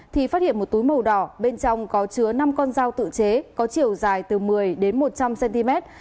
thì phát hiện một túi màu đỏ bên trong có chứa năm con dao tự chế có chiều dài từ một mươi đến một trăm linh cm